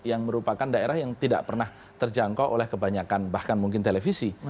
yang merupakan daerah yang tidak pernah terjangkau oleh kebanyakan bahkan mungkin televisi